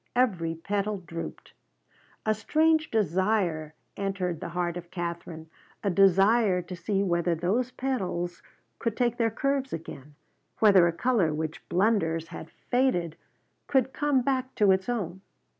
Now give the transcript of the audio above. Every petal drooped. A strange desire entered the heart of Katherine: a desire to see whether those petals could take their curves again, whether a color which blunders had faded could come back to its own.